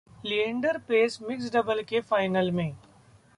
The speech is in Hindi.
लिएंडर पेस मिक्सड डबल्स के फाइनल में